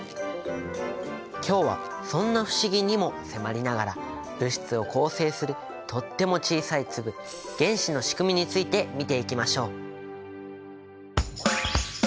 今日はそんな不思議にも迫りながら物質を構成するとっても小さい粒原子のしくみについて見ていきましょう。